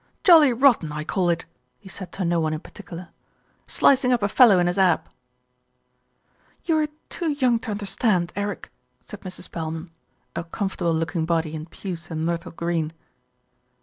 "Jolly rotten, I call it," he said to no one in par ticular, "slicing up a fellow in his ab." "You're too young to understand, Eric," said Mrs. Pelham, a comfortable looking body in puce and myrtle green.